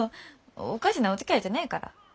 おかしなおつきあいじゃねえから。